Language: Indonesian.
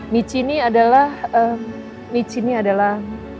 michi ini adalah michi ini adalah